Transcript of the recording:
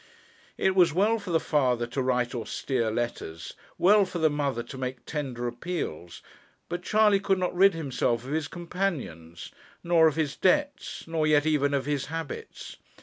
It was well for the father to write austere letters, well for the mother to make tender appeals, but Charley could not rid himself of his companions, nor of his debts, nor yet even of his habits.